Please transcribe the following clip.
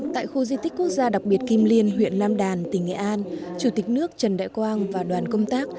tại khu di tích quốc gia đặc biệt kim liên huyện nam đàn tỉnh nghệ an chủ tịch nước trần đại quang và đoàn công tác